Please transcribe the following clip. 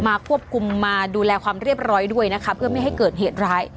มาควบคุมมาดูแลความเรียบร้อยด้วยนะคะเพื่อไม่ให้เกิดเหตุร้าย